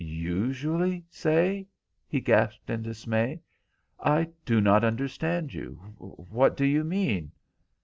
"Usually say?" he gasped in dismay. "I do not understand you. What do you mean?"